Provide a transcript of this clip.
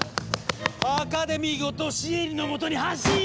アカデミーごとシエリのもとに発進よ！